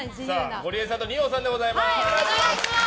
ゴリエさんと二葉さんでございます。